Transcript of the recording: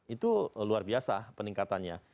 itu luar biasa peningkatannya